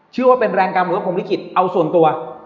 ชื่อว่าเป็นแรงกรรมหรือภรริขิตเอาส่วนตัว